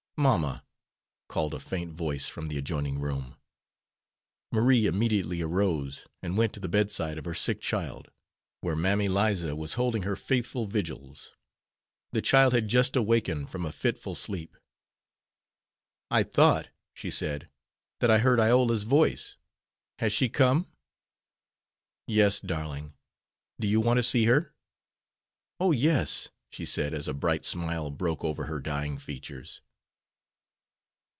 "Mamma!" called a faint voice from the adjoining room. Marie immediately arose and went to the bedside of her sick child, where Mammy Liza was holding her faithful vigils. The child had just awakened from a fitful sleep. "I thought," she said, "that I heard Iola's voice. Has she come?" "Yes, darling; do you want to see her?" "Oh, yes," she said, as a bright smile broke over her dying features.